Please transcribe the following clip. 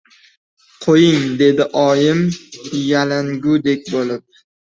— Qo‘ying, — dedi oyim yalingudek bo‘lib.